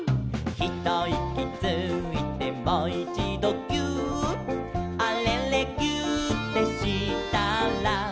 「ひといきついてもいちどぎゅーっ」「あれれぎゅーってしたら」